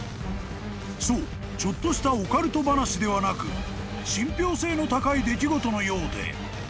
［そうちょっとしたオカルト話ではなく信ぴょう性の高い出来事のようで］